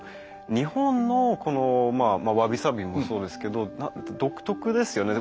日本のこのまあ侘寂もそうですけど独特ですよね